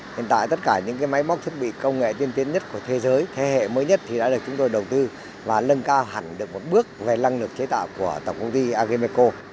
hiện tại tất cả những máy móc thiết bị công nghệ tiên tiến nhất của thế giới thế hệ mới nhất thì đã được chúng tôi đầu tư và lân cao hẳn được một bước về năng lực chế tạo của tổng công ty agemeco